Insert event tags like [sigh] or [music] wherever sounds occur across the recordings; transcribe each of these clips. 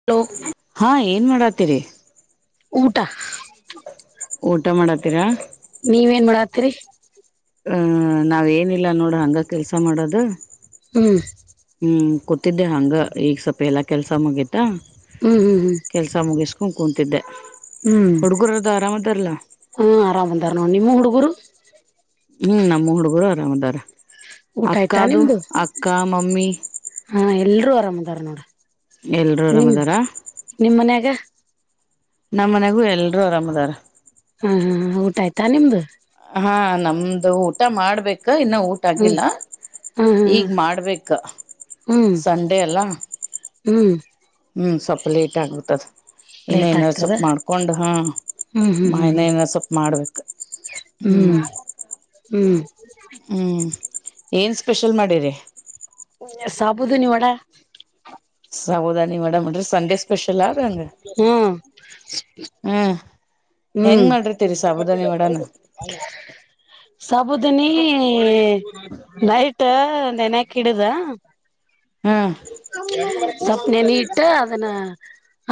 [unintelligible] ಹಾ ಏನ್ ಮಾಡಾತ್ತೀರಿ ಊಟಾ ಊಟ ಮಾಡತ್ತೀರಾ ನೀವ್ ಏನ್ ಮಾಡತ್ತೀರಿ ಆ ನಾವ್ ಏನಿಲ್ಲ ನೋಡ್ ಹಂಗ ಕೆಲ್ಸ ಮಾಡೋದು ಹ್ಮ್ ಹ್ಮ್ ಕೂತಿದ್ದೆ ಹಂಗ ಈಗ್ ಸ್ವಲ್ಪ ಎಲ್ಲಾ ಕೆಲ್ಸ ಮುಗಿತಾ ಹ್ಮ್ ಹ್ಮ್ ಹ್ಮ್ ಕೆಲಸ ಮುಗಿಸ್ಕೊಂಡ ಕುಂತಿದ್ದೆ ಹ್ಮ್ ಹುಡ್ಗುರದ ಆರಾಮದಾರಲ್ಲಾ ಹ ಆರಾಮ್ ಅದಾರ ನೋಡ್ ನಿಮ್ಮ ಹುಡುಗರು ಹ್ಮ್ ನಮ್ಮ ಹುಡುಗರು ಅರಾಮ್ದಾರ ಊಟ ಅಕ್ಕ ಆಯ್ತಾ ಅದು ನಿಮ್ದು ಅಕ್ಕ ಮಮ್ಮಿ ಹಾ ಎಲ್ರುೂ ಆರಾಮ್ ಅದಾರ ನೋಡ ಎಲ್ರು ಆರಾಮದಾರಾ ನಿಮ್ಮ್ ಮನ್ಯಾಗ ನಮ್ಮ್ ಮನೆಗೂ ಎಲ್ರೂ ಆರಾಮದಾರ ಹಾ ಹ ಊಟ ಆಯ್ತಾ ನಿಮ್ದು ಹಾ ನಮ್ದು ಊಟ ಮಾಡ್ಬೇಕು ಇನ್ನು ಊಟ ಹ್ಮ್ ಆಗಿಲ್ಲ ಹಾ ಹಾ ಈಗ್ ಮಾಡ್ಬೇಕ ಹ್ಮ್ ಸಂಡೆ ಅಲ್ಲ ಹ್ಮ್ ಹ್ಮ್ ಸ್ವಲ್ಪ ಲೇಟ್ ಅಗ್ಬಿಟ್ಟದ ಇನ್ನ ಲೇಟ್ ಏನಾದರ ಆಗ್ತದ ಸೊಪ್ಪ ಮಾಡ್ಕೊಂಡ್ ಹಾ ಹ್ಮ್ ಹ್ಮ್ ಮಾ ಇನ್ನ ಏನರ ಸೊಪ್ಪ ಮಾಡ್ಬೇಕ ಹ್ಮ್ ಹ್ಮ್- ಹ್ಮ್ ಏನ್ ಸ್ಪೆಷಲ್ ಮಾಡಿರಿ. ಹ ಸಾಬುದು ನೀ ಒಡಾ. ಸಾಬುದಾನಿ ವಡಾ ಮಾಡಿರಿ ಅಡ್ರಿ ಸಂಡೆ ಸ್ಪೆಷಲ್ ಆದ ಹಂಗಗೆ. ಹ್ಮ್ ಹೆಂಗ್ ಮಾಡಿರ್ತೀರಿ ಹ್ಮ್- ಸಾಬುದಾನಿ ವಡಾನ ಹೌ- ಸಾಬುದನಿ ನೈಟ್ ನೆನಯಕ ಹಿಡುದ. ಹ್ಮ-. ಸೊಪ್ಪನೆ ನೀ ಇಟ್ಟ ಅದನ್ನ.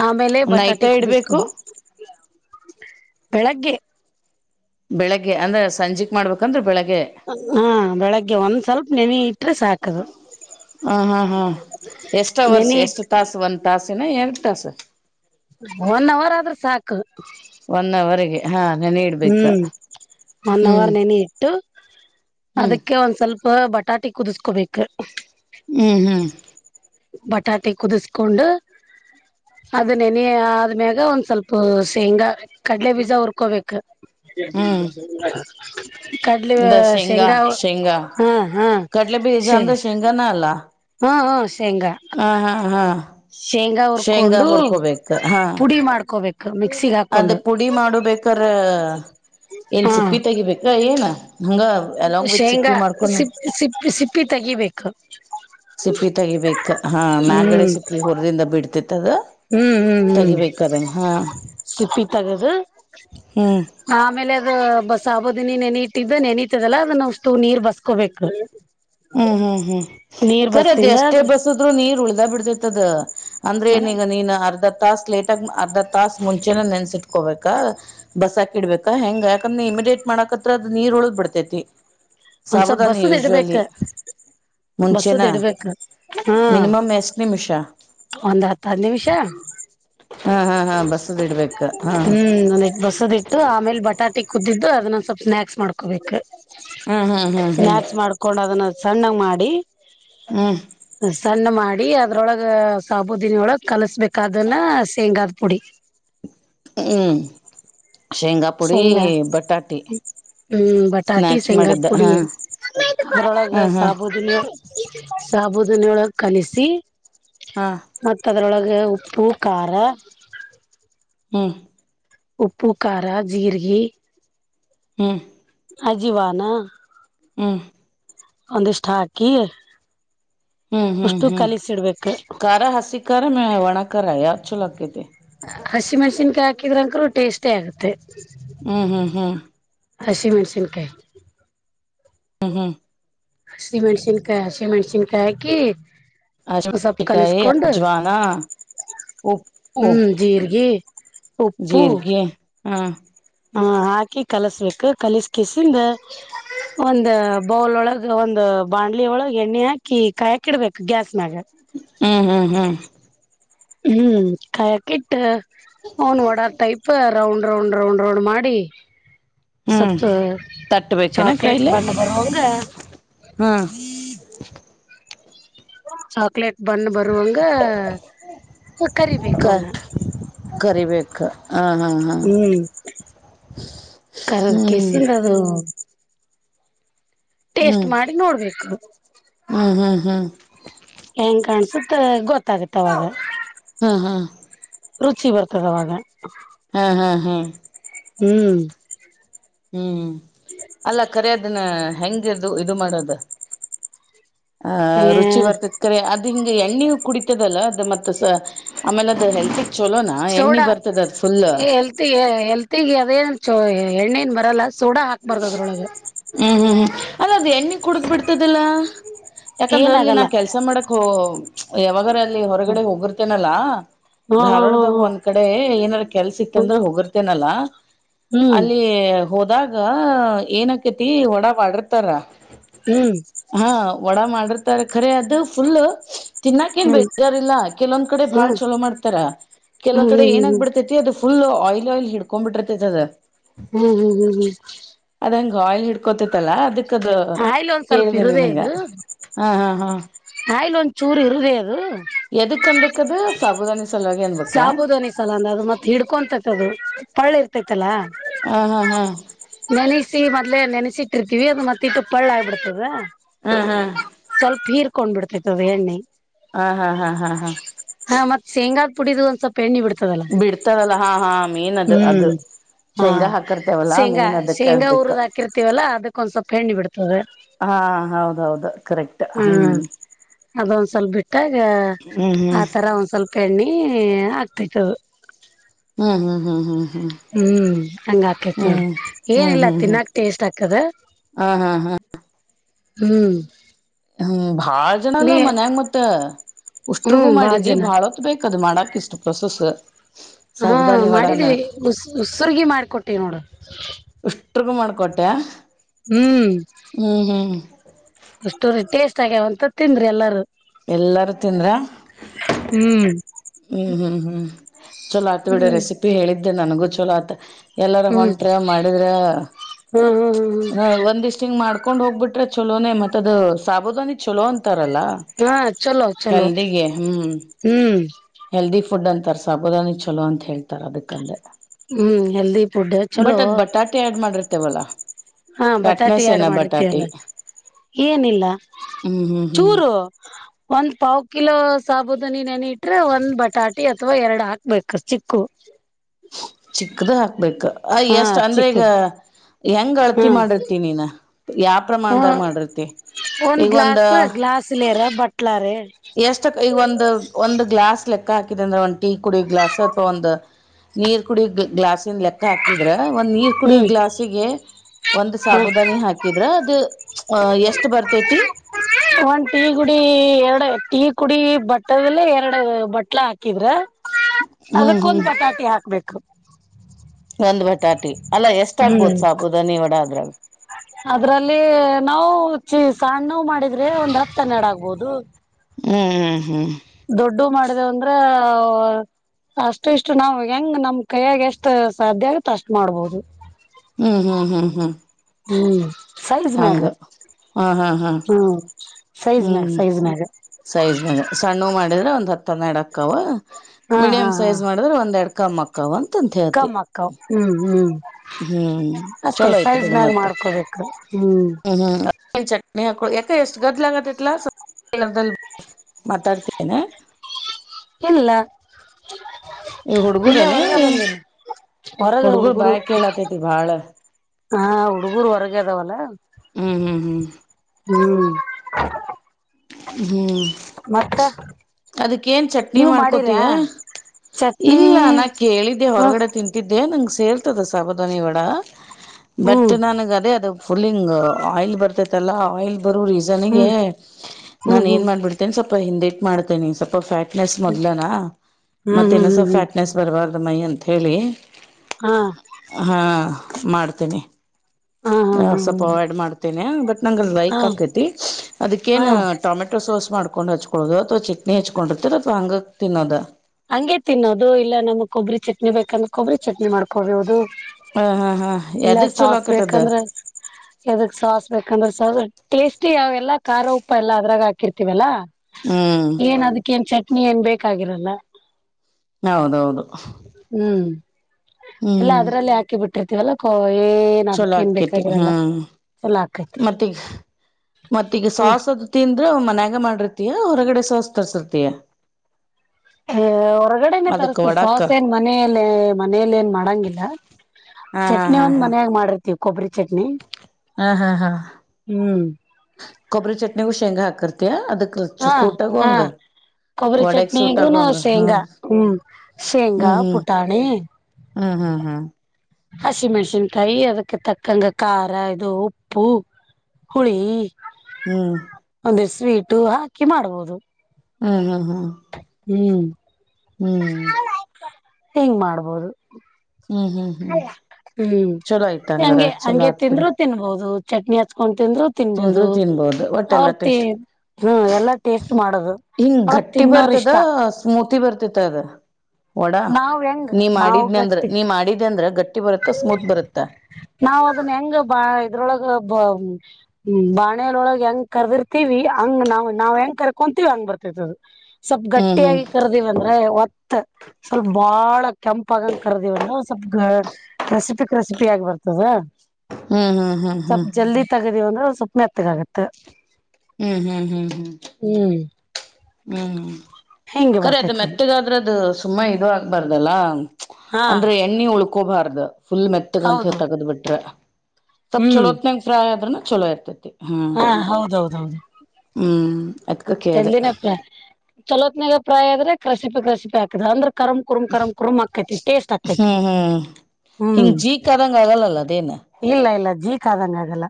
ಆಮೇಲೆ ನೈಟ ಬಟಾಟೆ ಕುದಿಸಕು ಇಡ್ಬೇಕು ಬೆಳಗ್ಗೆ. ಬೆಳಿಗ್ಗೆ ಅಂದ್ರೆ ಸಂಜೆಕ್ ಮಾಡ್ಬೇಕಂದ್ರ ಬೆಳಿಗ್ಗೆ. ಹಾ ಬೆಳಗ್ಗೆ ಒಂದ್ ಸ್ವಲ್ಪ ನೆನ ಇಟ್ರೆ ಸಾಕದು. ಹ ಹಾ ಹಾ ಎಷ್ಟ ವರ್ಷ ನೆನೆ ಇಟ್ ಎಷ್ಟು ತಾಸು ಒಂದ್ ತಾಸಿನ ಎರಡು ತಾಸ. ಒನ್ ಅವರ್ ಆದ್ರೆ ಸಾಕು ಒನ್ ಅವರ್ಗೆ ಹಾ ನೆನೆ ಇಡ್ಬೇಕ ಹ್ಮ್. ಒನ್ ಹ್ಮ್ ಅವರ್ ನೆನೆ ಇಟ್ಟು ಹ್ಮ್ ಅದಕ್ಕೆ ಒಂದ್ ಸ್ವಲ್ಪ. ಬಟಾಟೆ ಕುದಿಸ್ಕೋಬೇಕು. ಹ್ಮ್ ಹ್ಮ್- ಬಟಾಟೆ ಕುದಿಸ್ಕೊಂಡು. ಅದ ನೆನೆ ಆದ್ಮ್ಯಾಗ ಒಂದ್ ಸ್ವಲ್ಪ ಶೇಂಗಾ ಕಡಲೆ ಬೀಜ ಹುರ್ಕೋಬೇಕ. ಹ್ಮ್ ಕಡ್ಲಿ ಇದ ಶೇಂಗಾವು ಹಾ ಹಾ. ಕಡಲೆ ಬೀಜ ಶೇ ಅಂದ್ರ ಶೇಂಗಾನ ಅಲ್ಲ. ಹಾ ಹ ಶೇಂಗಾ. ಹ ಹಾ ಹಾ- ಶೇಂಗಾ ಶೇಂಗಾ ಹುರ್ಕೊಂಡು ಹುರ್ಕೋಬೇಕ ಹಾ ಪುಡಿ ಮಾಡ್ಕೋಬೇಕು ಮಿಕ್ಸಿಗ್ ಅದ ಹಾಕೊಂಡು. ಪುಡಿ ಮಾಡಬೇಕಾರ ಏನ್ ಹಾ ಸಿಪ್ಪಿ ತೆಗಿಬೇಕಾ ಏನ್ ಹಂಗ. ಅಲಾಂಗ್ ವಿತ್ ಶೇಂಗಾ ಸಿಪ್ಪಿ ಮಾಡ್ಕೊಂಡ್ ಸಿಪ್ಪ ಸಿಪ್ಪಿ ಸಿಪ್ಪಿ ತೆಗಿಬೇಕು. ಸಿಪ್ಪಿ ತೆಗಿಬೇಕ ಹಾ ಮ್ಯಾಗಡೆ ಹ್ಮ್ ಸಿಪ್ಪಿ ಹೊರದಿಂದ ಬಿಡ್ತಿತ್ತ ಅದ. ಹ್ಮ್ ಹ್ಮ್ ಹ್ಮ್ ತೆಗಿಬೇಕ ಅದನ್ನ ಹಾ ಸಿಪ್ಪಿ ತಗದು. ಹ್ಮ್ ಆಮೇಲೆ ಅದ ಬಸ್ ಆಬೋದಿನಿ ನೆನ ಇಟ್ಟಿದ್ದ ನೆನತದಲ್ಲಾ ಅದನ್ನಷ್ಟತು ನೀರ್ ಬಸ್ಕೋಬೇಕು. ಹ್ಮ್ ಹ್ಮ್ ಹ್ಮ್ ನೀರ್ ಕಖರಿ ಅದ್ ಬಸ್ದಿಂದ ಎಷ್ಟೇ ಅದು ಬಸದ್ರು ನೀರ್ ಉಳ್ದ ಬಿಡ್ತೈತದ. ಅಂದ್ರೆ ನೀಗ ನೀನ್ ಅರ್ಧದ ತಾಸ ಲೇಟಗ ಅರ್ಧ ತಾಸ ಮುಂಚೆನ ನೆನ್ಸಿಟ್ಕೋಬೇಕ. ಬಸ್ ಹಾಕಿಡ್ಬೇಕಾ ಹೆಂಗಗೆ ಯಾಕಂದ್ರೆ ಇಮಿಡೇಟ್ ಮಾಡಕತ್ರ ಅದ್ ನೀರ್ ಉಳ್ದ್ ಬಿಡ್ತೈತಿ. ಸಾವಧಾನಿ ಯೂಜುವಲಿ. ಬಸ್ಸದ ಇಡ್ಬೇಕ ಹಾ. ಮಿನಿಮಮ್ ಎಷ್ಟ್ ನಿಮಿಷ ಒಂದ್ ಹತ್ತ [inaudible] ನಿಮಿಷ. ಹಾ ಹಾ ಹಾ ಬಸದ ಇಡ್ಬೇಕ ಹಾ ಹ್ಮ್ ನ ಬಸದ. ಆಮೇಲೆ ಬಟಾಟೆ ಕುದ್ದಿದ್ದು ಅದನ್ನೊಂದ ಸ್ವಲ್ಪ್ ಸ್ನಾಕ್ಸ್ ಮಾಡ್ಕೋಬೇಕು. ಹ್ಮ್ ಹ್ಮ್ ಸ್ನಾಯಾಕ್ಸ್ ಹ್ಮ್ ಮಾಡ್ಕೊಂಡು ಅದನ್ನ ಸಣ್ಣಂಗ ಮಾಡಿ. ಹ್ಮ- ಸಣ್ಣ ಮಾಡಿ ಅದ್ರೊಳಗ ಸಾಬೂುದಿನೊಳಗೆ ಕಲಸ್ಬೇಕ ಅದನ್ನ ಶೇಂಗಾದ ಪುಡಿ. ಹ್ಮ್ ಶೇಂಗಾ ಪುಡಿ ಶೇಂಗಾ ಬಟಾಟಿ. ಹ್ಮ್ ಬಟಾಟಿ ಸ್ನ್ಯಾಚ್ ಶೇಂಗಾದ ಮಾಡಿದ್ದ ಪುಡಿ ಹಾ ಹಾ ಅರೊಳಗ ಹಾ ಸಾಬೂರ್. ಸಾಬೂದಿನಳಗೆ ಕಲಿಸಿ. ಹಾ- ಮತ್ತ ಅದರೊಳಗೆ ಉಪ್ಪು ಖಾರ-. ಹ್ಮ್- ಉಪ್ಪು ಖಾರ ಜೀರಿಗೆ. ಹ್ಮ್- ಅಜೀವಾನ. ಹ್ಮ್- ಅಧೆಷ್ಠಾಕಿ. ಹ್ಮ್ ಹ್ಮ್ ಹ್ಮ್ ಕಲಿಸಿಡ್ಬೇಕು ಕಾರ ಹಾಸಿಿ ಕಾರ ವಣ ಕರಾ ಯಾವ್ದು ಚೊಲೋ ಆಗ್ತೀಯತಿ. ಹಸಿ ಮಣ್ಸಿನ್ಕಾಯ ಹಾಕಿದ್ರಕರುೂ ಟೇಸ್ಟೇ ಆಗತ್ತೆ. ಹ್ಮ್ ಹ್ಮ್ ಹ್ಮ್- ಹಸ ಮೆಸಿನಕಾಯ. ಹಾ ಹಾ- ಸಿಮೆಣ್ಸಿನ್ಕಾಯ ಸಿಮೆಣ್ಸಿನ್ಕಾಯಿ ಹಾಕಿ. ಸ್ವಲ್ಪ [inaudible] ಕಲಿಸ್ಕೊಂಡು ಅಜ್ವಾ. - ಹ್ಮ್ ಜೀರ್ರಿಗೆ ಉಪ್ಪು. ಹಾ- ಹ ಹಾಕಿ ಕಲಸ್ಬೇಕು ಕಲಸ್ ಕಿಸಿಂದ ಒಂದ ಬೌಲ್ ಒಳಗ. ಈ ಒಂದು ಬಾಾಣ್ಲಿ ಒಳಗೆ ಎಣ್ಣೆ ಹಾಕಿ ಕಾಯಾಕಿಡ್ಬೇಕು ಗ್ಯಾಸ್ ಮ್ಯಾಗ. ಹ್ಮ್ ಹ್ಮ್ ಹ್ಮ್-. ಹ್ಮ್ ಕಾಯಕಿಟ್ಟ ಅವನ್ ಓಡಾಡ್ತೈ. ರೌಂಡ್ ರೌಂಡ್ ರೌಂಡ್ ರೌಂಡ್ ಮಾಡಿ. ಸ ಹ್ಮ್ ತಟ್ಬೇಕೇನ ಚಾಕ್ಲೇಟ್ ಕೈಲೆ ಬಣ್ಣ ಬರುವಂಗ. ಹಾ- ಚಾಕ್ಲೇಟ್ ಬಣ್ಣ ಬರುವಂಗ ಕರಿಬೇಕ ಕ ಅವನ. ಕರಿಬೇಕು ಹಾ ಹಾ ಹಾ. ಹ್ಮ್- ಕರದ ಹ್ಮ್ ಕೆಸೆಂಡ್ ಅದು. ಟೇಸ್ಟ್ ಹ್ಮ್ ಮಾಡಿ ನೋಡ್ಬೇಕು. ಹ್ಮ್ ಹ್ಮ್ ಹ್ಮ್- ಹೆಂಗ್ ಕಾಣಸುತ್ತ ಗೊತ್ತಾಗತ್ತ ಅವವಾಗ-. ಹ್ಮ್ ಹಾ ರುಚಿ ಬರ್ತದವಾಗ. ಹಾ ಹಾ ಹಾ- ಹ್ಮ್- ಹ್ಮ್ ಅಲ್ಲ ಕಖರಿದನ್ನ ಹೆಂಗರ್ದು ಇದು ಮಾಡದ. ಏ ರುಚಿ ವರ್ತ. ರೆ ಅದು ಹಿಂಗಗೆ ಎಣ್ಣೆ ಕುಡಿತದಲ್ಲ ಅದು ಮತ್ತ ಸ ಆಮೇಲೆ ಅದು ಹೆಲ್ತ್. ಚಲೋನಾ ಎಣ್ಣೆ ಬರ್ತದ ಅದ ಫುಲ್. ಹೇಳ್ತಿಗೆ ಹೆಲ್ತಿಗೆ ಅದೇ ಚ ಎಣ್ಣೇನ್ ಬರಲ್ಲ. ಸೋಡಾ ಹಾಕ್ಬಾರ್ದ ಅದ್ರೊಳಗ ಹ್ಮ್ ಹ್ಮ್ ಅದ್ದ ಎಣ್ಣಿ ಕುಡುಕ್ ಬಿಡ್ತದಿಲ್ಲ. ಯಾಕಂದ್ರೆ ಅಲ್ಲಿ ನಾ ಏನಾಗಲ್ಲ ಕೆಲ್ಸ ಮಾಡಕ್ ಯಾವಾಗಾರ ಅಲ್ಲಿ ಹೊರಗಡೆ ಹೋಗಿರ್ತೇನಲ್. ಹ್ಮ ಧಾರವಾಡದಾಗ ಒಂದ್ ಕಡೆ ಏನಾರ ಕೆಲ್ಸ ಇತ್ತಂದ್ರೆ ಹೋಗಿರ್ತೇನಲ್ಲ ಹ್ಮ್ ಅಲ್ಲ. ಹೋದಾಗ ಏನಕೇತಿ ಒಡ ಮಾಡಿಡರ್ತಾರ. ಹ್ಮ್- ಹಾ ವಡಾ ಮಾಡಿರ್ತಾರೆ ಖರೆ ಅದು ಫುಲ್. ತಿನ್ನಾಕ ಏನ್ ಹ್ಮ್ ಬೇಜಾರ್ಿಲ್ಲ ಕೆಲೊಂದ್ ಕಡೆ ಹ್ಮ್ ಬಾಳ್ ಚಲೋ ಮಾಡ್ತಾರ ಕೆಲವೊ್ ಹ್ಮ್ ಹ್ಮ್ ಕಡೆ ಏನಾಗ್ಬ ಹ್ಮ್ ಬಿಡ್ತೈತಿ ಅದು. ಫುಲ್ ಆಯಿಲ್ ಆಿಲ್ ಹಿಡ್ಕೊಂಬ ಬಿಿರ್ೈತದ. ಹ್ಮ್ ಹ್ಮ್ ಹ್ಮ್ ಹ್ಮ್- ಅದಂಗ ಆಯಿಲ್ ಹಿಡ್ಕೋತತ್ತಲ್ಲ ಅದಕ್ಕ ಅದು ಆಯಿಲ್ ಒಂದ್ ಸ್ವಲ್ಪ ಕೇಳಿದೆ ನನ್ಂಗ ಹಾ ಹಾ ಹಾ. ಹ್ಹಾಯಿಲ್ ಒಂದ್ ಚೂರು ಇರುದೇ ಅದು. ಎದಕ್ ಅನ್ಬೇಕದ ಸಾಬುದಾನಿ ಸಲುವಾಗಿ ಅನ್ಬೇಕಾ ಸಾಬೂದನ ಸಲ ಅಂದ ಅದು ಮತ್ತತ್ ಹಿಡ್ಕೊಂತ ಅದು ಪಳ್ಳಿ ಇರ್ತ. ತ ಲ್ಲಾ. ಹ ಹಾ ಹಾ್- ನೆನೆಸಿ ಮೊದ್ಲೆ ನೆನೆಸಿ ಇಟ್ಟಿರ್ತತಿವಿ ಅದು ಮತ್ತೆ ಇಟ್ಟು ಪಳ್ಳ ಆಗ್ಬಿಡ್ತದ. ಹಾ ಹಾ- ಸ್ವಲ್ಪ ಹೀರ್ಕೊಂಡ್ಬಿಡ್ತೈತದು ಎಣ್ಣೆ. ಹಾ ಹಾ ಹಾ ಹಾ ಹಾ- ಹಾ ಮತ್ ಶೇಂಗಾದ ಪುಡಿದು ಒಂದ ಸ್ಲ್ಪ ಎಣ್ಣಿ ಬಿಡ್. ಬಿಡ್ತಾರಲ್ಲ ಹಾ ಹಾ ಮೇನ್ ಅದು ಹ್ಮ್ ಅದು-. ಹಾ ಶೇಂಗಾ ಹಾಕರ್ತೇವಲ್ಲಾ ಶೇಂಗಾ ಮೇನ್ ಅದಕ್ಕ ಶೇಂಗಾ ಇರ್ಬೇಕ ಉಊರದ್ ಹಾಕಿರ್ತೀವಲ್ಲಾ ಅದಕ್ಕೊಂದ್ ಸ್ವಲ್ಪ ಎಣ್ಣಿ ಬಿಡ್ತದೆ. ಹಾ ಹೌದ ಹೌದು ಕರೆಕ್ಟ್. ಹ್ಮ್ ಅದೊಂದ್ ಸ್ವಲ್ಪ ಬಿಟ್ಟಾಗ ಹ್ಮ್ ಆ ತರ ಹ್ಮ್ ಒಂದ್ ಸ್ವಲ್ಪ. ಬೆಣ್ಣಿ ಆಗ್ತೈತದು. ಹ್ಮ್ ಹ್ಮ್ ಹ್ಮ್ ಹ್ಮ್ ಹ್ಮ್- ಹ್ಮ್ ಹಂಗ ಆಕೇತಿ ನೋಡ ಹ್ಮ್ ಹ್ಮ್ ಏನಿಲ್ಲ ಹ್ಮ್ ಹ್ಮ್ ತಿನ್ನಾಕ್ ಟೇಸ್ಟ್ ಆಕದ. ಹಾ ಹಾ- ಹ್ಮ್- ಹ್ಮ್ ಬಾಳ ಜನ ಅಲ್ಲ ನೀ ಮನ್ಯಾಗ ಮತ್ತ ಉಷ್ಟ್ರಗೂ ಹ್ಮ್ ಮಾಡಿದಿ ಜನ ಬಾಳ. ಬೇಕದು್ ಮಾಡಕ ಇಷ್ಟು ಪ್ರೊಸೆಸ್. ಹಾ ಸಾಬುದಾನಿ ವಡಾನ ಮಾಡಿದೀವಿ ಉಸ್ ಉಸರ್ಗಿ ಮಾಡಿಕೊಟ್ಟಿವ ನೋಡು. ಇಷ್ಟ್ರಗೂ ಮಾಡ್ಕೊಟ್ಟ್ಯಾ. ಹ್ಮ್- ಹ್ಮ್ ಹ್ಮ್- ಅಷ್ಟು ಟೇಸ್ಟ್ ಆಗ್ಯಾವಂತ ತಿಿಂದ್ರಿ ಎಲ್ಲಾರೂ. ಎಲ್ಲಾರೂ ತಿಂದ್ರ. ಹ್ಮ್- ಹ್ಮ್ ಹ್ಮ್ ಹ್ಮ್ ಚಲೋ ಆತ ಬಿಡ ಹ್ಮ್ ರೆಸಿಪಿ ಹೇಳಿದ್ದೆ ನನಗೂ ಚೊಲೋ ಆತ. ಎಲ್ಲಾರ ಹ್ಮ್ ಹೊಂಟ್ರ ಮಾಡಿದ್ರ ಹ್ಮ್ ಹ್ಮ್ ಹ್ಮ್ ಹ್ಮ್ ಒಂದಿಷ್ಟ ್ ಮಾಡ್ಕೊಂಡ್ ಹೋಗ್ಬಿಟ್ರೆ ಚಲೋನನೆ ಮತ್ತ ಅದು ಸಾಬೋದನಿ ಚಲೋ ಅಂತ. ತಾರಲ್ಲ ಹಾ ಚಲೋ ಚಲೋ ಹೆಲ್ದಿಗೆ ಹ್ಮ್. ಹ್ಮ್- ಹೆಲ್ದಿ ಫುಡ್ ಅಂತಾರ ಸಾಬೋದಾನಿ ಚಲೋ ಅಂತ ಹೇಳ್ತಾರೆ ಅದಕ್ಕಂದೆ. ಹ್ಮ್ ಹೆಲ್ದಿ ಫುಡ್ ಚಲೋ. ಬಟ್ ಅದ್ ಬಟಾಟೆ ಆಡ್ ಮಾಡಿರ್ತೇವಲ್ಲಾ. ಹಾ ಬಟಾಟಿ ಫ್ಯಾಟ್ನೆಸ್ ಆಡ್ ಏನ ಬಟಾಟಿ ಮಾಡತಿೇವಲ್ಲ. ಏನಿಲ್ಲ ಹ್ಮ್ ಹ್ಮ್ ಹ್ಮ್ ಚೂರು. ಒಂದ್ ಪಾವ್ ಕಿಲೋ ಸಾಬೂದನಿ ನೆನ ಇಟ್ರೆ ಒಂದ್ ಬಟಾಟಿ ಅಥವಾ ಎರಡು ಹಾಕ್ಬೇಕ ಚಿಕ್ಕು. ಚಿಕ್ಕದು ಹಾಕ್ಬೇಕ ಆ ಹಾ ಎಷ್ಟ ಅಂದ್ರೆ ಈಗ. ಚಿಕ್ಕದು ಹೆಂಗ್ ಅಳತಿ ಮಾಡಿರ್ತಿ ನೀನ್ ಯಾವ ಹ ಪ್ರಮಾಣದಾಗ್ ಮಾಡಿರ್ತಿ. ಒಂದ್ ಈಗ ಒಂದ ಗ್ಲಾಸ್ ಗ್ಲಾಸ್ಲರ ಬಟ್ಲ ರೀ. ಎಷ್ಟ ಈಗ ಒಂದು ಒಂದು ಗ್ಲಾಸ್ ಲೆಕ್ಕ ಹಾಕಿದೆ ಅಂದ್ರೆ ಒಂದ್ ಟೀ ಕುಡಿಯ ಗ್ಲಾಸ್ ಅಥವಾ ಒಂದು. ನೀರ್ ಕುಡಿಯ ಗ್ಲಾಸ್ಿಂದ ಲೆಕ್ಕ ಹಾಕಿದ್ರ ಒಂದ್ ನೀರ್ ಕುಡಿಯ ಹ್ಮ್ ಗ್ಲಾಸಿಗೆ. ಒಂದ್ ಹ ಸಾಬೂುದಾನಿ ಹಾಕಿದ್ರ ಅದ ಅ ಎಷ್ಟ ಬರ್ತೇತಿ ಒಂದ್ ಟೀ ಗುಡಿ ಎರಡು ಟೀ ಕುುಡಿ ಬಟ್ಟದಲ್ಲ ಎರಡು ಬಟ್ಲ ಹಾಕಿದ್ರ ಹ್ಮ ಅದಕ್ಕೊ ಒಂದ್ ಬಟಾಟಿ ಹಾಕ್ಬೇಕು ಒಂದ್ ಬಟಾಟಿ ಅಲ್ಲಾ ಎಷ್ಟಾಗಬೋದು ಹ್ಮ್ ಸಾಬುದಾ ನೀ ವಡಾ ಅದ್ರಾಗ ಅದ್ರಲ್ಲಿ ನಾವು ಚಿ ಸಣ್ನೋವು ಮಾಡಿದ್ರೆ ಒಂದ್ ಹತ್ ಹನೆರಡ ಆಗ್ಬಹದು ಹ್ಮ್ ಹ್ಮ್ ಹ್ಮ್ ದೊಡ್ಡ ಮಾಡಿದೆೇವ ಅಂದ್ರ ಅಷ್ಟು ಇಷ್ಟು ನಾವ್ ಹೆಂಗ್ ನಮ್ ಕೈಯಾಗ ಎಷ್ಟ ಸಾಧ್ಯ ಆಗುತ್ತ ಅಷ್ಟ್ ಮಾಡ್ಬೋದು ಹ್ಮ್ ಹ್ಮ್ ಹ್ಮ್ ಹ್ಮ್ ಹ್ಮ್ ಸೈಜ್ ಮ್ಯಾಗ ಹಂಗ ಹಾ ಹಾ ಹಾ ಹ ಸೈಜ್ ಮ್ಯಾಗ ಹ್ಮ್ ಸೈಜ್ ಮ್ಯಾಗ ಸೈಜ್ ಮ್ಯಾಗ ಸಣ್ಣ ಮಾಡಿದ್ರೆ ಒಂದ್ ಹತ್ತ ಹನ್ನೆರಡ್ ಅಕ್ಕಾವ ಹಾ ಹಾ ಮೀಡಿಯಂ ಹಾ ಸೈಜ್ ಮಾಡಿದ್ರೆ ಒಂದ್ ಎಡ್ ಕಮಕ್ಕಾವ ಅಂತಂತ ಹೇಳ್ತಿ ಅಕ್ಕಾವ ಹ್ಮ್ ಹ್ಮ್ ಹ್ಮ್ ಅಷ್ಟೇ ಚಲೋ ಆಯ್ತು ಸೈಜ್ ಬಿಡ ಮ್ಯಾಗ ಮತ್ತ ಮಾಡ್ಕೋಬೇಕು ಹ್ಮ್ ಹ ಚಟ್ನಿ ಹಾಕ ಯಾಕ ಎಷ್ಟು ಗದ್ದಲ ಆಗತ್ತತ್ಲ [inaudible] ಮಾತಾಡ್ತೀಎನ ಇಲ್ಲಾ [inaudible] ಈ ಹುಡ್ಗುರ ಏನವ ಹೊರಗ ಏನು ಬಂದೇನಿ ಹೊರಗ ಹುಡ್ಗೂರು ಹುಡುಗರು ಬಾಯ ಕೇಳತೇತಿ ಬಾಳ ಹಾ ಹುಡುಗೂರ್ ಹೊರಗೆ ಅದಾವಲ್ಲ ಹ್ಮ್ ಹ್ಮ್ ಹ್ಮ್ ಹ್ಮ್ ಹ್ಮ್ ಮತ್ತ ಅದಕ್ಕೇನ್ ಚಟ್ನಿ ನೀವ್ ಮಾಡಿರಾ ಮಾಡ್ಕೋತೀಯ ಚಟ್ನಿ ಇಲ್ಲ ನಾ ಕೇಳಿದ್ದೆ ಹ ಹೊರಗಡೆ ತಿಂತ ತಿದ್ದೆ ನನ್ನಗ ಸೆರತದ ಸಾಬುಧಾನಿ ವಡಾ ಬಟ್ ಹ್ಮ್ ನನಗ ಅದೇ ಅದು ಫುಲ್ ಹಂಗ್ ಆಯಿಲ್ ಬರ್ತೈತಲ್ಲಾ ಆಯಿಲ್ ಬರೋ ರೀಸನ್ ಗೆ ಹ್ಮ್ ಹ್ಮ್ ನಾನ್ ಏನ್ ಹ್ಮ್ ಮಾಡ್ಬಿಡ್ ಸ್ವಲ್ಪ ಹಿಂದಿಟ್ ಮಾಡ್ತೇನಿ ಸ್ವಲ್ಪ ಫ್ಯಾಟ್ನೆಸ್ ಮೊದ್ಲನಾ ಹ್ಮ್ ಮತ್ತೆ ಹ್ಮ್ ಇನ ಹ್ಮ್ ಸ್ವಲ್ಪ ಹ್ಮ್ ಫ್ಯಾಟ್ನೆಸ್ ಬರಬಾರದ ಮೈ ಅಂಂತೇಳಿ ಹಾ ಹಾ ಮಾಡ್ತೇನಿ ಹಾ ಹಾ ಸ್ವಲ್ಪ ಅವೈಡ್ ಮಾಡ್ತೇನೆ ಬಟ್ ನಂಗ ಹಾ ಲೈಕ್ ಹಾ ಆಕೈತಿ ಅದಕ್ಕೇನ್ ಹಾ ಟೊಮೆಟೋ ಸಾಸ್ ಮಾಡಕೊಂಡು ಹಚಕೋಳ್ಳೋದು ಅಥವಾ ಚಟ್ನಿ ಹಚ್ಕೊಂಡಿರ್ತರ ಅಥವಾ ಹಂಗೆ ತಿನ್ನೋದು ಹಂಗೆ ತಿನ್ನೋದು ಇಲ್ಲ ನಮ್ ಕೊಬ್ಬರಿ ಚಟ್ನಿ ಬೇಕಂದ್ರೆ ಕೊಬ್ಬರಿ ಚಟ್ನಿ ಮಾಡ್ಕೊಬಹದು ಹ ಹಾ ಹಾ ಎದಕ್ ಚಲೋ ಆಕತ್ತದ ಎದಕ್ ಸಾಸ್ ಬೇಕಂದ್ರೆ ಟೇಸ್ಟಿ ಯಾವೆಲ್ಲ ಖಾರ ಉಪ್ಪ ಎಲ್ಲ ಅದ್ರಾಗ ಹಾಕಿರ್ತೀವಲ್ಲಾ ಹ್ಮ್ ಏನ್ ಅದಕ್ಕೇನ್ ಚಟ್ನಿ ಏನ್ ಬೇಕಾಗಿರಲ್ಲ ಹೌದೌದು ಹ್ಮ್ ಎಲ್ಲ ಹ್ಮ್ ಅದ್ರಲ್ಲಿ ಹಾಕಿ ಬಿಟ್ಟಿತೀವಲ್ಲ ಏ ಅದ್ಕ ಚಲೋ ಏನ್ ಬೇಕಾಗಿರಲ್ಲ ಚಲೋ ಆಕೈತಿ ಮತ್ತೆಗ ಮತ್ತ ಈಗ ಹ ಸಾಸದು ತಿಂದ್ ಅವ ಮನ್ಯಾಗ ಮಾಡಿರ್ತಿಯ ಹೊರಗಡೆ ಸೋಸ್ ತರ್ಸಿರ್ತಿಯಾ ಹ ಹೊರಗಡೆನೆೇ ಅದಕ್ಕ ತರಿಸಸ್ತಿ ವಡಾಕ ಸಾವಸ ಏನ್ ಮನೆಯಲ್ಲ ಮನೇಲಿ ಏನ್ ಮಾಡಂಗಿಲ್ಲ ಹಾ ಹಾ ಚಟ್ನಿ ಹಾ ಒಂದ್ ಹಾ ಮನ್ಯಾಗ ಮಾಡಿರ್ತಿವಿ ಕೊಬ್ಬರಿ ಚಟ್ನಿ ಹಾ ಹಾ ಹಾ- ಹ್ಮ್- ಕೊಬ್ಬರಿ ಚಟ್ನಿಗು ಶೇಂಗ ಹಾಕಿರ್ತಯ ಅದಕ್ ಹಾ ಸೂಟಗ ಹಾ ಹಂಗ. ಕೊಬ್ಬರಿ ಚಟ್ನಿಗ ನ ಶೇಂಗಾ ಹ್ಮ್ ಶೇಂಗಾ ಪುಟಾಣಿ. ಹ್ಮ ಹಾ ಹಾ- ಹಸಿಮೆಣಸಿನ್ಕಾಯಿ ಅದಕ್ಕೆ ತಕ್ಕಂಗ ಖಾರ ಇದು ಉಪ್ಪು. ಹುಳಿ. ಹ್ಮ್- ಒಂದಸ್ ಸ್ವೀಟು ಹಾಕಿ ಮಾಡ್ಬೋದು. ಹಾ ಹಾ ಹಾ- ಹ್ಮ್ - ಹ್ಮ್ - ಹಿಂಗ್ ಮಾಡ್ಬೋದು. ಹ್ಮ್ - ಹ್ಮ್ ಹಗೆ ಚಲೋ ಹಗೆ ಆತ್ ಬಿಡ ತಿಂದ್ರರು ತಿನ್ಬಹದು ಚಟ್ನಿ. ಹಂಗ ತಿಂದ್ರು ತಿನ್ಬೋದು ತಿಂದ್ರು ತಿನ್ಬೋದು ಅವ್ರ ಒಟ್ಟೆಲ್ಲಾ ಟೇಸ್ಟ್ ಎಲ್ಲಾ ಟೇಸ್ಟ್ ಮಾಡದು. ಹಿಂಗ್ ಗಟ್ಟಿ ಬರ್ತದ ಸ್ಮೂತಿ ಬರ್ತದ ಅದ. ಓಡಾ ನಾವ್ ಹೆಂಗ ನೀ ನಾವ್ ಮಾಡಿದನ ಅಂದ್ರ ಗಟ್ಟಿ ನೀ ಮಾಡಿದಿ ಅಂದ್ರ ಗಟ್ಟಿ ಬರುತ್ತ ಸ್ಮೂತ್ ಬರುತ್ತಾ. ನಾವ್ ಅದನ್ ಹೆಂಗ ಬಾ ಇದ್ರೊಳಗ. ಹ್ಮ್ ಬಾಣಲ್ ಒಳಗೆ ಹೆಂಗ್ ಕರ್ದಿರ್ತಿೀವಿ ಹಂಗ್ ನಾವ್ ನಾವ್ ಹೆಂಗ ಕರ್ಕೊಂತೀವಿ ಹಂಗ್ ಬರ್ತತದದು. ಸ್ವಲ್ಪ್ ಹ್ಮ್ ಹ್ಮ್ ಗಟ್ಟಿಯಾಗಿ ಕರ್ದೀವ ಅಂದ್ರೆ ಒತ್ತ. ಸ್ವಲ್ಪ ಬಾಳ ಕೆಂಪ ಆಗಂಗ ಕರದವಂದ್ರ ಸ್ವಲ್ಪ. ಕ್ರಸಿಪಿ ಕ್ರಸಿಪಿ ಆಗ ಬರ್ತದ ಹ್ಮ್ ಹ್ಮ್ ಹ್ಮ್ ಹ್ಮ್ ಸ್ವಲ್ ಹ್ಮ್ ಜಲ್ದಿ. ತಗೀಿ ಅಂದ್ರೆ ಸಪ್ಪನೆತ್ತಗುತ್ತೆ. ಹ್ಮ್ ಹ್ಮ್ ಹ್ಮ್ ಹ್ಮ್- ಹ್ಮ್- ಹ್ಮ್ ಹಿಂಗೆ ಕರೆ ಅದು ಬರ್ತೈತ್ ಮೆತ್ತಗಾದ್ರೆ ಅದು ಸುಮ್ಮ ಇದು ಆಗ್ಬಾರ್ದಲ್ಲ. ಹಾ ಅಂದ್ರೆ ಎಣ್ಣೆ ಉಳ್ಕೋಬಾರ್ದ ಫುಲ್ ಮೆತ್ತಗಂತ ಹೌದು ತಗದ ಬಿಟ್ರೆ. ಸ್ವಲ್ಪ ಹ್ಮ್ ಚೂಲತ್ಯನ್ಗ ಪ್ರೈ ಆದ್ರನ ಛಲೋ ಇರ್ತೈತಿ. ಹಾ ಹೌದೌದ ಹೌದು. ಹ್ಞ - ಚಲೋತ್ನಾಗ ಪ್ರೃಯ್ ಆದ್ರೆ ಕ್ಸಿಪಿ ಕ್ಸಿಪಿ ಹಾಕದ ಅಂದ್ರೆ. ಕರಂ ಕುರುಮ ಕರಂ ಕುರುಮ ಆಕ್ಕತಿ ಟೇಸ್ಟ್ ಆಕತಿ. ಹಾ ಹಾ - ಹಿಂಗ್ ಜೀಕ್ ಅದಂಗ ಆಗಲ್ಲಲ ಅದೇನ. ಇಲ್ಲ ಇಲ್ಲ ಜೀಕ್ ಆದಂಗ ಆಗಲ್ಲ.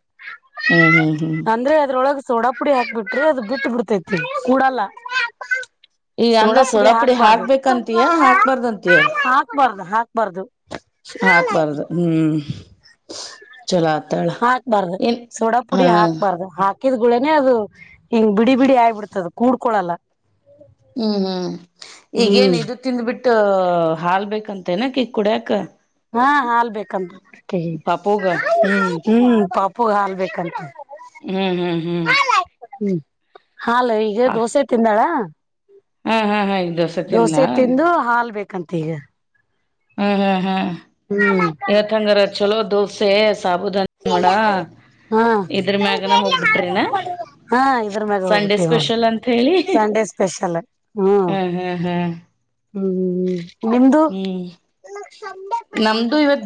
ಹ್ಮ್ ಹ್ಮ್ ಹ್ಮ - ಅಂದ್ರೆ ಅದ್ರೊಳಗ ಸೋಡಾ ಪುಡಿ ಹಾಕ್ಬ ಬಿಟ್ರೆ ಅದು ಬಿಟ್ಟ ಬಿಡ್ತೈತಿ ಕೂಡಲ್ಲ. ಈಗ ಅಂದ್ರ ಸೋಡಾ ಪುಡಿ ಸೋಡಾಪುಡಿ ಹಾಕ್ಬಾರ್ದು ಹಾಕ್ಬೇಕಂತಯ ಹಾಕ್ಬಾರ್ದಂತಯ ಹಾಕ್ಬಾರ್ದು ಹಾಕ್. ಬರ್ದು. ಹಾಕ್ಬಾರ್ದು ಹ್ಮ್. ಚಲೋ ಆತಾಳ ಹಾಕ್ಬಾರ್ದು ಏನ್ ಸೋಡಾ ಹಾ ಪುಡಿ ಹಾಕ್ಬಾರ್ದು. ಅದು ಹಾಕಿದ್ಗೂಳನೆ ಅದು ಹಿಂಗ್ ಬಿಡಿ ಬಿಡಿ ಆಯಿಬಿಡ್ತದ ಕೂಡ್ಕೊಳಲ್ಲ. ಹ್ಮ್ ಹ್ಮ್ ಈಗೇನ್ ಹ್ಮ್ ಇದುತಿನ್ಬಟ ಹಾಲ್ಬೇಕಂತ ಏನಕಿ ಕುಡಿಯಕ. ಹಾ ಹಾಲ್ ಬೇಕಂತ ಅಕಿಗೆ. ಪಾಪುಗ ಹ್ಮ್ ಪ್ಪೂ ಹಾಲ್ಬೇಕಂತೆ‌. ಹ್ಮ್ ಹ್ಮ್ ಹ್ಮ್ ಹ್ಮ್ ಹಾಲು ಈಗ ಹ ದೋಸೆ ತಿಂದಾಳ. ಹಾ ಹಾ ಹಾ ಈಗ ದೋಸೆ ತಿನ್ಲಾ ಹ್ಮ್ ತಿಂದು ಹಾಲ್ ಬೇಕಂತೆ ಈಗ. ಹ್ಮ ಹ್ಮ್ ಹ್ಮ್ ಹ್ಮ್ ಯಾಕಂದ್ರೆ ಚಲೋ ದೋಸೆ ಸಾಬೂಧಾನ್ ನೋಡಾ ಹಾ ಇದ್ರ ಮ್ಯಾಗನ್ ಹೋಗ್ಬಿಟ್ರನಾ. ಹಾ ಇದ್ರ ಮ್ಯಾಗ ಹೋಗ್ಬಿಟ್ಟಿ ನೋಡ್ ಹೇಳಿ ಸಂಡೆ ಸ್ಪೆಷಲ್ ಹ್ಮ್ ಹಾ ಹಾ ಹಾ ಹ್ಮ್ ನಿಮ್ದು‌ ಹ್ಮ್ ನಮ್ದು ಇವತ್